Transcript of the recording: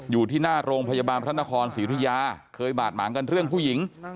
อยู่ที่หน้าโรงพยาบาลพระนครศรีธุยาเคยบาดหมางกันเรื่องผู้หญิง